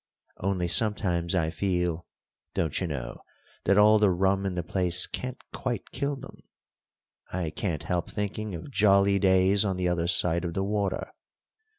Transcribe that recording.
Only sometimes I feel, don't you know, that all the rum in the place can't quite kill them. I can't help thinking of jolly days on the other side of the water.